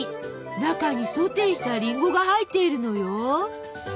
中にソテーしたりんごが入っているのよ！